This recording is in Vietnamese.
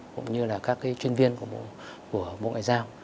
cũng như là các chuyên viên của bộ ngoại giao